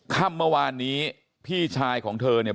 ค่ำเมื่อวานนี้พี่ชายของเธอเนี่ย